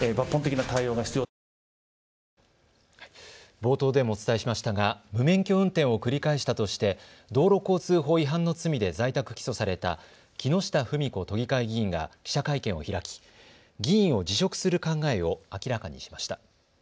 冒頭でもお伝えしましたが無免許運転を繰り返したとして道路交通法違反の罪で在宅起訴された木下富美子都議会議員が記者会見を開き、議員を辞職する考えを明らかにしました。